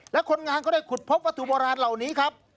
และคนงานก็ได้ขุดพบวัตถุโบราณเหล่านี้ครับ